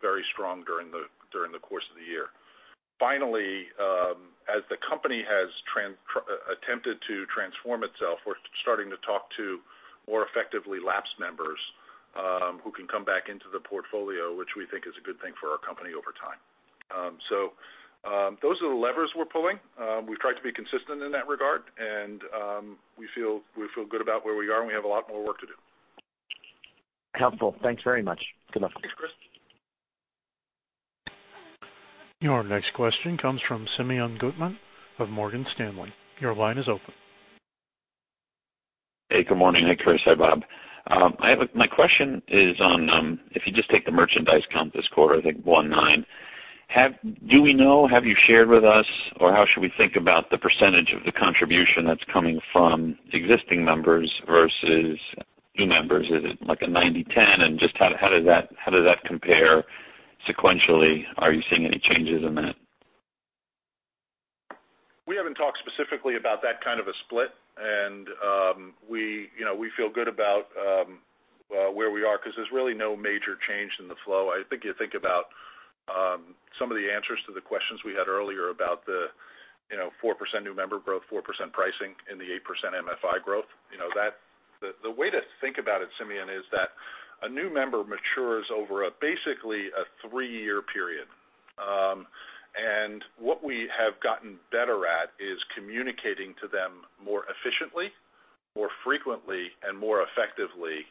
very strong during the course of the year. Finally, as the company has attempted to transform itself, we're starting to talk to more effectively lapsed members who can come back into the portfolio, which we think is a good thing for our company over time. Those are the levers we're pulling. We've tried to be consistent in that regard, and we feel good about where we are, and we have a lot more work to do. Helpful. Thanks very much. Good luck. Thanks, Chris. Your next question comes from Simeon Gutman of Morgan Stanley. Your line is open. Hey, good morning. Hey, Chris. Hi, Bob. My question is on if you just take the merchandise comp this quarter, I think 1.9. Do we know, have you shared with us, or how should we think about the % of the contribution that's coming from existing members versus new members? Is it like a 90/10? Just how does that compare sequentially? Are you seeing any changes in that? We haven't talked specifically about that kind of a split, and we feel good about where we are because there's really no major change in the flow. I think you think about some of the answers to the questions we had earlier about the 4% new member growth, 4% pricing and the 8% MFI growth. The way to think about it, Simeon, is that a new member matures over basically a three-year period. What we have gotten better at is communicating to them more efficiently, more frequently, and more effectively.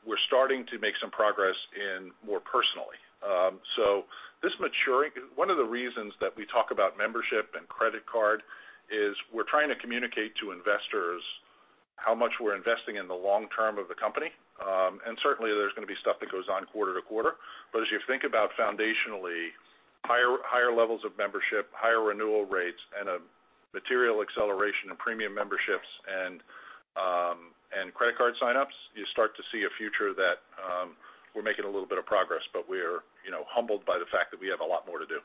We're starting to make some progress in more personally. One of the reasons that we talk about membership and credit card is we're trying to communicate to investors how much we're investing in the long term of the company. Certainly, there's going to be stuff that goes on quarter to quarter. As you think about foundationally, higher levels of membership, higher renewal rates, and a material acceleration of premium memberships and credit card signups, you start to see a future that we're making a little bit of progress, but we are humbled by the fact that we have a lot more to do.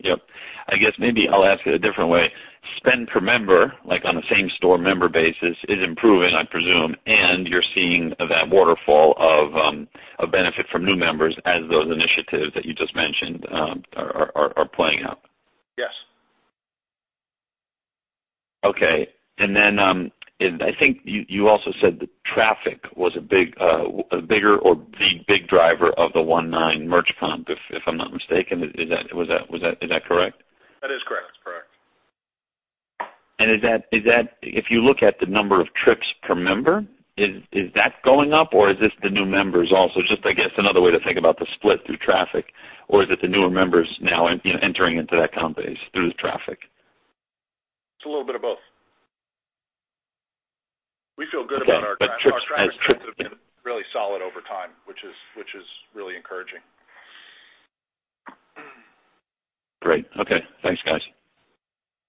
Yep. I guess maybe I'll ask it a different way. Spend per member, on a same-store member basis, is improving, I presume. You're seeing that waterfall of benefit from new members as those initiatives that you just mentioned are playing out. Yes. Okay. Then, I think you also said that traffic was a bigger or the big driver of the 1.9 merch comp, if I'm not mistaken. Is that correct? That is correct. If you look at the number of trips per member, is that going up, or is this the new members also? Just, I guess, another way to think about the split through traffic, or is it the newer members now entering into that comp base through traffic? It's a little bit of both. Okay. Our traffic trends have been really solid over time, which is really encouraging. Great. Okay. Thanks, guys.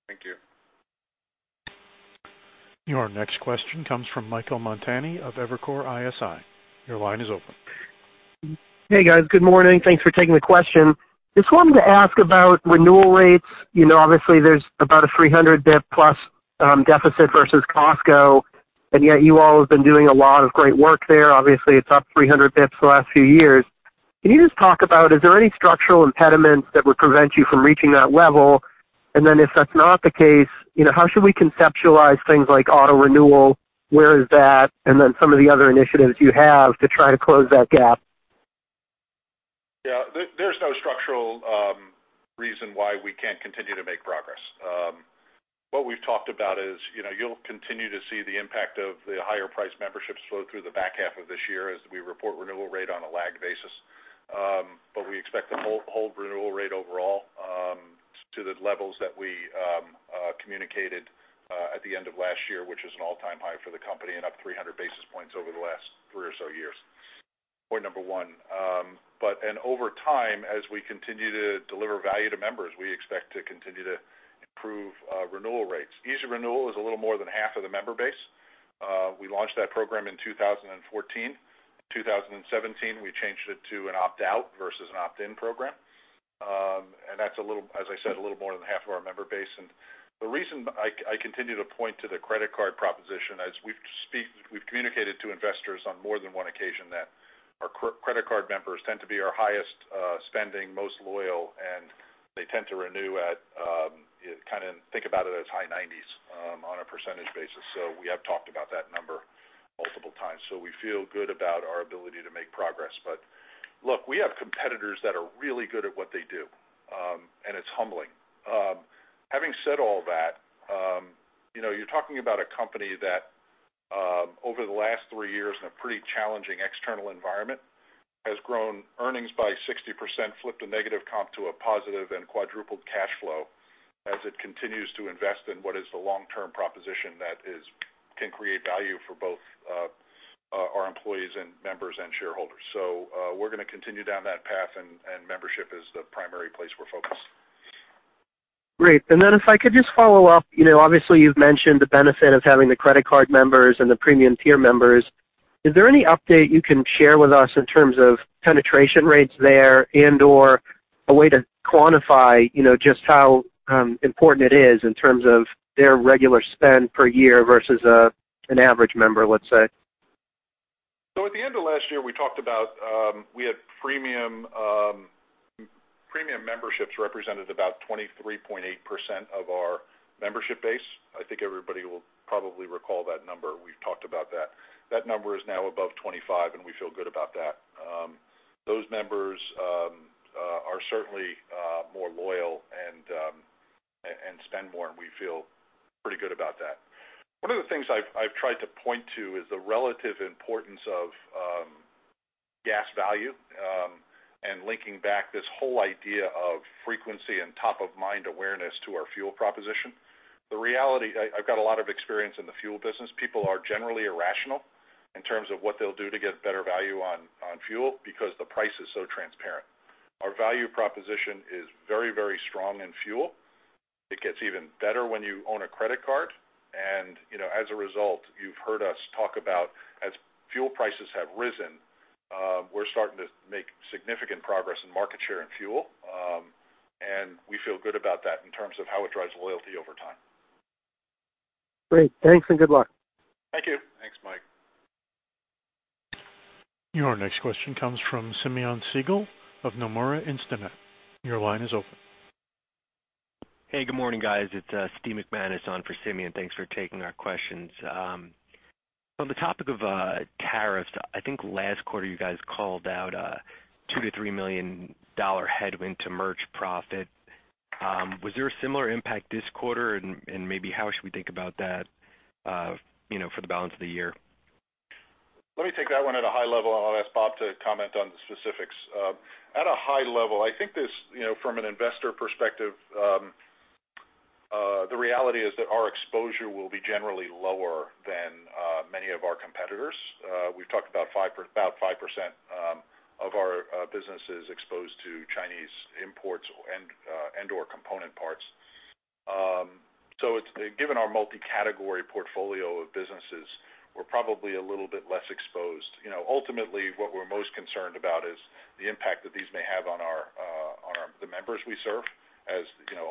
Thank you. Your next question comes from Michael Montani of Evercore ISI. Your line is open. Hey, guys. Good morning. Thanks for taking the question. Just wanted to ask about renewal rates. Obviously, there's about a 300 basis points plus deficit versus Costco, yet you all have been doing a lot of great work there. Obviously, it's up 300 basis points the last few years. Can you just talk about, is there any structural impediments that would prevent you from reaching that level? If that's not the case, how should we conceptualize things like auto renewal? Where is that, and then some of the other initiatives you have to try to close that gap? Yeah. There's no structural reason why we can't continue to make progress. What we've talked about is you'll continue to see the impact of the higher priced memberships flow through the back half of this year as we report renewal rate on a lag basis. We expect to hold renewal rate overall to the levels that we communicated at the end of last year, which is an all-time high for the company and up 300 basis points over the last three or so years. Point number one. Over time, as we continue to deliver value to members, we expect to continue to improve renewal rates. Easy Renewal is a little more than half of the member base. We launched that program in 2014. 2017, we changed it to an opt-out versus an opt-in program. That's, as I said, a little more than half of our member base. The reason I continue to point to the credit card proposition, as we've communicated to investors on more than one occasion, that our credit card members tend to be our highest spending, most loyal, and they tend to renew at, think about it as high 90s on a percentage basis. We have talked about that number multiple times. We feel good about our ability to make progress. Look, we have competitors that are really good at what they do, and it's humbling. Having said all that, you're talking about a company that over the last three years, in a pretty challenging external environment, has grown earnings by 60%, flipped a negative comp to a positive, and quadrupled cash flow as it continues to invest in what is the long-term proposition that can create value for both our employees and members and shareholders. We're going to continue down that path, and membership is the primary place we're focused. Great. If I could just follow up. Obviously, you've mentioned the benefit of having the credit card members and the premium tier members. Is there any update you can share with us in terms of penetration rates there and/or a way to quantify just how important it is in terms of their regular spend per year versus an average member, let's say? At the end of last year, we talked about, we had premium memberships represented about 23.8% of our membership base. I think everybody will probably recall that number. We've talked about that. That number is now above 25, and we feel good about that. Those members are certainly more loyal and spend more, and we feel pretty good about that. One of the things I've tried to point to is the relative importance of gas value, linking back this whole idea of frequency and top-of-mind awareness to our fuel proposition. The reality, I've got a lot of experience in the fuel business. People are generally irrational in terms of what they'll do to get better value on fuel because the price is so transparent. Our value proposition is very strong in fuel. It gets even better when you own a credit card, as a result, you've heard us talk about as fuel prices have risen, we're starting to make significant progress in market share and fuel. We feel good about that in terms of how it drives loyalty over time. Great. Thanks and good luck. Thank you. Thanks, Mike. Your next question comes from Simeon Siegel of Nomura Instinet. Your line is open. Hey, good morning, guys. It's Steven Zaccone on for Simeon. Thanks for taking our questions. On the topic of tariffs, I think last quarter you guys called out a $2 million-$3 million headwind to merch profit. Was there a similar impact this quarter, and maybe how should we think about that for the balance of the year? Let me take that one at a high level, and I'll ask Bob to comment on the specifics. At a high level, I think this, from an investor perspective, the reality is that our exposure will be generally lower than many of our competitors. We've talked about 5% of our business is exposed to Chinese imports and/or component parts. Given our multi-category portfolio of businesses, we're probably a little bit less exposed. Ultimately, what we're most concerned about is the impact that these may have on the members we serve.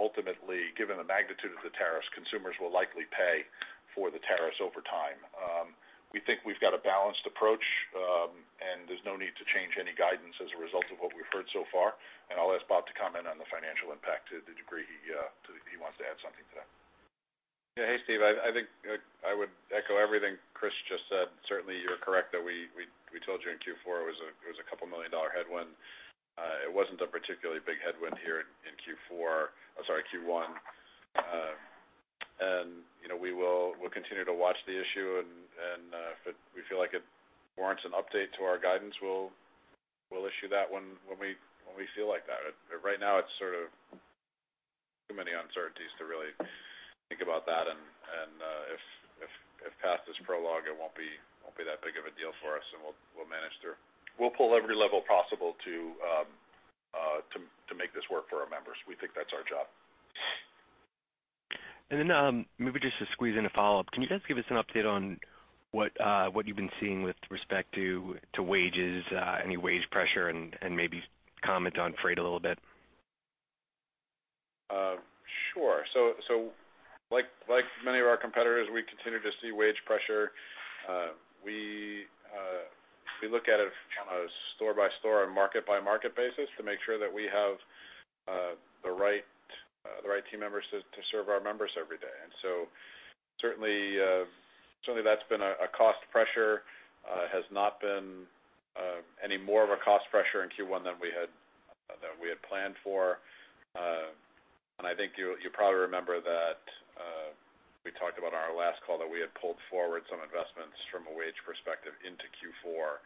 Ultimately, given the magnitude of the tariffs, consumers will likely pay for the tariffs over time. We think we've got a balanced approach, and there's no need to change any guidance as a result of what we've heard so far. I'll ask Bob to comment on the financial impact to the degree he wants to add something to that. Yeah. Hey, Steve. I think I would echo everything Chris just said. Certainly, you're correct that we told you in Q4 it was a couple million dollar headwind. It wasn't a particularly big headwind here in Q4, I'm sorry, Q1. We'll continue to watch the issue, and if we feel like it warrants an update to our guidance, we'll issue that when we feel like that. Right now, it's sort of too many uncertainties to really think about that. If past is prologue, it won't be that big of a deal for us, and we'll manage through. We'll pull every level possible to make this work for our members. We think that's our job. Then, maybe just to squeeze in a follow-up. Can you guys give us an update on what you've been seeing with respect to wages, any wage pressure, and maybe comment on freight a little bit? Sure. Like many of our competitors, we continue to see wage pressure. We look at it from a store-by-store and market-by-market basis to make sure that we have the right team members to serve our members every day. Certainly that's been a cost pressure. It has not been any more of a cost pressure in Q1 than we had planned for. I think you probably remember that we talked about on our last call that we had pulled forward some investments from a wage perspective into Q4.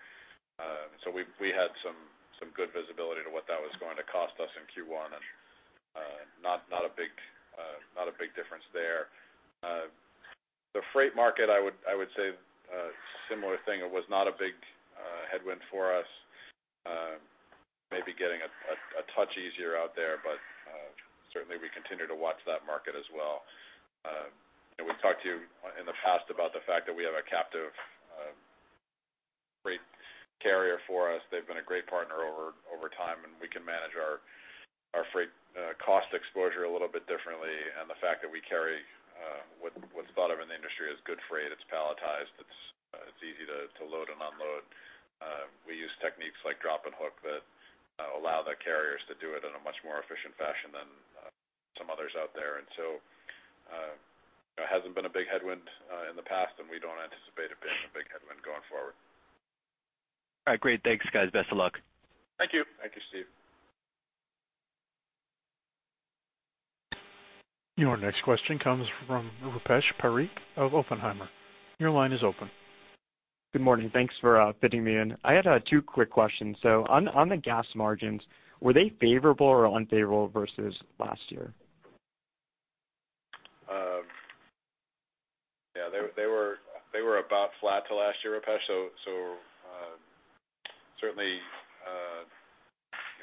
We had some good visibility to what that was going to cost us in Q1, and not a big difference there. The freight market, I would say a similar thing. It was not a big headwind for us. Maybe getting a touch easier out there, but certainly, we continue to watch that market as well. We've talked to you in the past about the fact that we have a captive freight carrier for us. They've been a great partner over time, and we can manage our freight cost exposure a little bit differently. The fact that we carry what's thought of in the industry as good freight, it's palletized, it's easy to load and unload. We use techniques like drop and hook that allow the carriers to do it in a much more efficient fashion than some others out there. So it hasn't been a big headwind in the past, and we don't anticipate it being a big headwind going forward. All right, great. Thanks, guys. Best of luck. Thank you. Thank you, Steve. Your next question comes from Rupesh Parikh of Oppenheimer. Your line is open. Good morning. Thanks for fitting me in. I had two quick questions. On the gas margins, were they favorable or unfavorable versus last year? Yeah, they were about flat to last year, Rupesh. Certainly,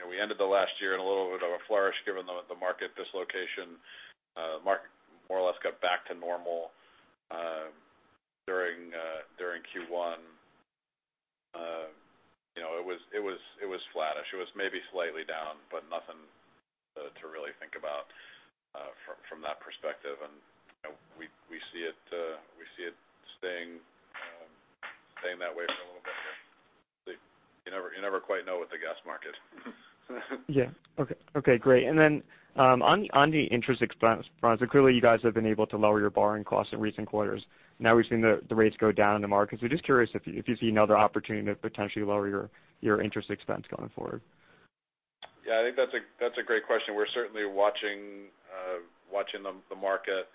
we ended the last year in a little bit of a flourish given the market dislocation. Market more or less got back to normal during Q1. It was flattish. It was maybe slightly down, but nothing to really think about from that perspective. We see it staying that way for a little bit here. You never quite know with the gas market. Yeah. Okay, great. Then, on the interest expense front, clearly you guys have been able to lower your borrowing costs in recent quarters. Now we've seen the rates go down in the markets. We're just curious if you see another opportunity to potentially lower your interest expense going forward. I think that's a great question. We're certainly watching the market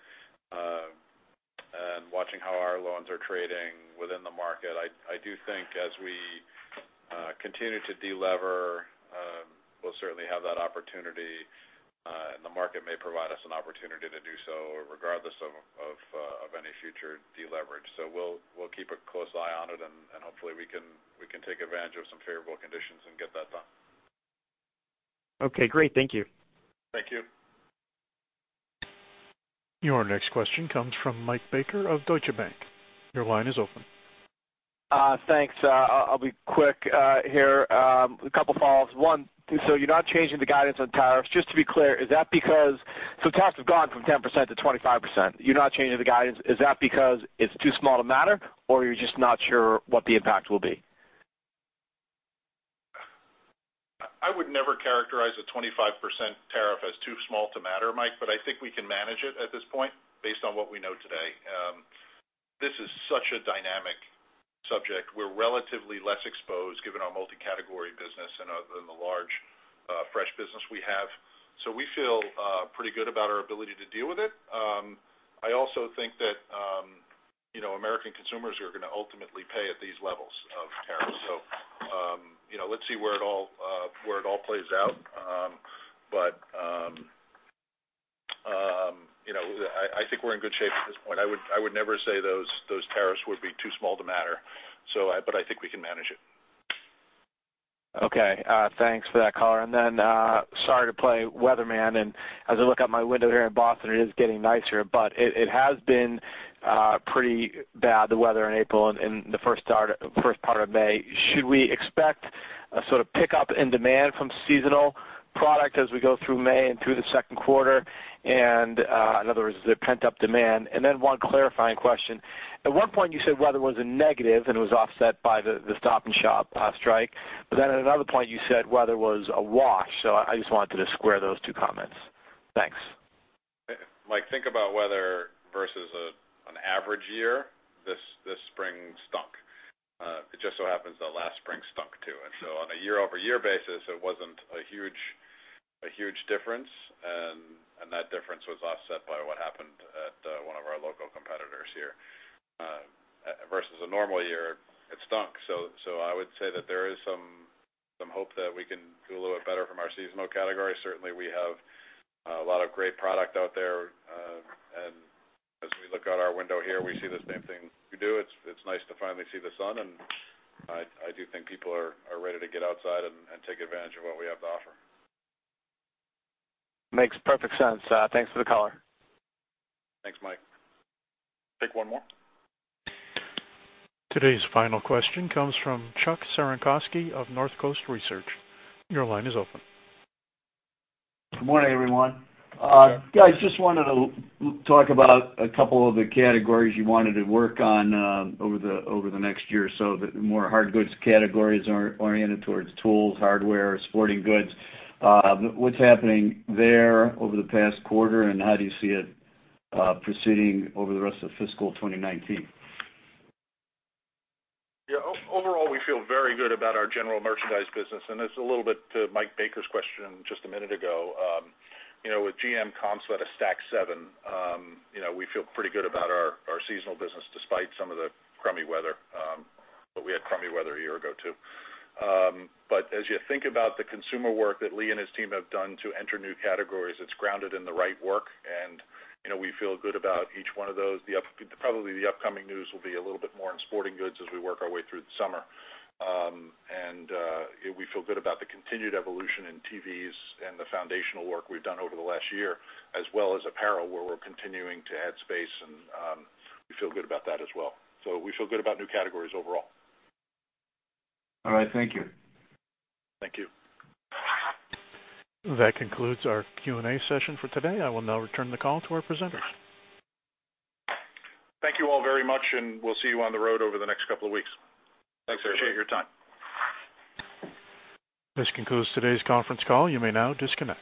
and watching how our loans are trading within the market. I do think as we continue to de-lever, we'll certainly have that opportunity, and the market may provide us an opportunity to do so regardless of any future de-leverage. We'll keep a close eye on it, and hopefully, we can take advantage of some favorable conditions and get that done. Okay, great. Thank you. Thank you. Your next question comes from Mike Baker of Deutsche Bank. Your line is open. Thanks. I'll be quick here. A couple follows. One, you're not changing the guidance on tariffs. Just to be clear, tariffs have gone from 10% to 25%. You're not changing the guidance. Is that because it's too small to matter, or you're just not sure what the impact will be? I would never characterize a 25% tariff as too small to matter, Mike, I think we can manage it at this point based on what we know today. This is such a dynamic subject. We're relatively less exposed given our multi-category business and the large fresh business we have. We feel pretty good about our ability to deal with it. I also think that American consumers are going to ultimately pay at these levels of tariffs. Let's see where it all plays out. I think we're in good shape at this point. I would never say those tariffs would be too small to matter, I think we can manage it. Okay, thanks for that, clarity. Sorry to play weatherman, as I look out my window here in Boston, it is getting nicer, it has been pretty bad, the weather in April and the first part of May. Should we expect a sort of pickup in demand from seasonal product as we go through May and through the second quarter? In other words, is there pent-up demand? One clarifying question. At one point, you said weather was a negative and it was offset by the Stop & Shop strike. At another point, you said weather was a wash. I just wanted to square those two comments. Thanks. Mike, think about weather versus an average year. This spring stunk. It just so happens that last spring stunk, too. On a year-over-year basis, it wasn't a huge difference, and that difference was offset by what happened at one of our local competitors here. Versus a normal year, it stunk. I would say that there is some hope that we can do a little bit better from our seasonal category. Certainly, we have a lot of great product out there. As we look out our window here, we see the same thing you do. It's nice to finally see the sun, I do think people are ready to get outside and take advantage of what we have to offer. Makes perfect sense. Thanks for the color. Thanks, Mike. Take one more. Today's final question comes from Chuck Cerankosky of Northcoast Research. Your line is open. Good morning, everyone. Guys, just wanted to talk about a couple of the categories you wanted to work on over the next year or so, the more hard goods categories oriented towards tools, hardware, sporting goods. What's happening there over the past quarter, and how do you see it proceeding over the rest of fiscal 2019? Yeah, overall, we feel very good about our general merchandise business. It's a little bit to Mike Baker's question just a minute ago. With GM comps at a stack seven, we feel pretty good about our seasonal business despite some of the crummy weather. We had crummy weather a year ago, too. As you think about the consumer work that Lee and his team have done to enter new categories, it's grounded in the right work. We feel good about each one of those. Probably the upcoming news will be a little bit more in sporting goods as we work our way through the summer. We feel good about the continued evolution in TVs and the foundational work we've done over the last year, as well as apparel, where we're continuing to add space, and we feel good about that as well. We feel good about new categories overall. All right, thank you. Thank you. That concludes our Q&A session for today. I will now return the call to our presenters. Thank you all very much, and we'll see you on the road over the next couple of weeks. Thanks very much. Appreciate your time. This concludes today's conference call. You may now disconnect.